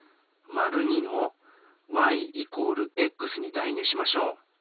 ②のｙ＝ｘに代入しましょう。